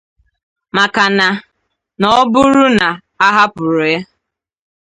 Maka na na ọ bụrụ na a hapụrụ ha